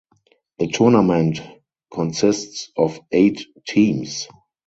The tournament consists of eight teams.